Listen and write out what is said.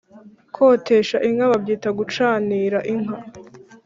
Kotesha inka babyita Gucanira Inka